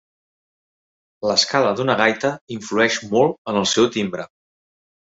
L'escala d'una gaita influeix molt en el seu timbre.